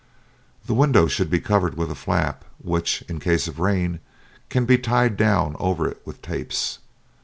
The window should be covered with a flap which, in case of rain, can be tied down over it with tapes.